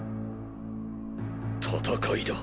戦いだ